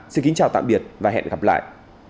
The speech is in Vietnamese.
xin kính chào tạm biệt và hẹn gặp lại